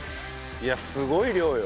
いやすごい量よ